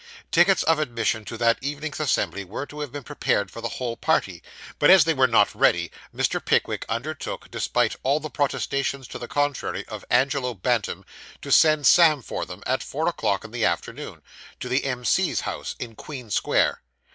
Tickets of admission to that evening's assembly were to have been prepared for the whole party, but as they were not ready, Mr. Pickwick undertook, despite all the protestations to the contrary of Angelo Bantam, to send Sam for them at four o'clock in the afternoon, to the M.C.'s house in Queen Square.